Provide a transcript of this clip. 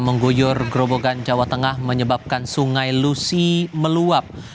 mengguyur gerobogan jawa tengah menyebabkan sungai lusi meluap